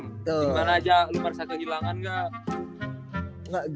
gimana aja lu lu merasa kehilangan gak